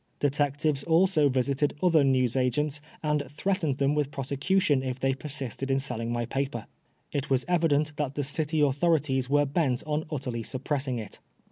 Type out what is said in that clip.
Detectives also visited other newsagents and threatened them with prosecution if they persisted in selling my paper. It was evident that the City authorities were bent on utterly suppressing it.